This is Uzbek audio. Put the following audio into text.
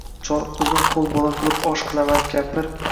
Chol o’zim qo’l bola qilib osh qilaman kampir.